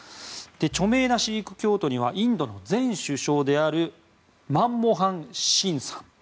著名なシーク教徒にはインドの前首相であるマンモハン・シンさん。